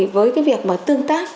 với việc tương tác